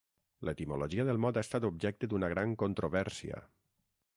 L'etimologia del mot ha estat objecte d'una gran controvèrsia.